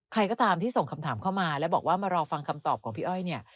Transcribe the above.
ใครก็ตามที่ส่งคำถามเข้ามาแล้วบอกว่ามารอฟังคำตอบของพี่อ้อยเนี่ย